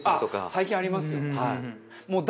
最近ありますよね。